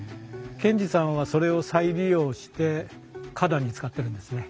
賢治さんはそれを再利用して花壇に使ってるんですね。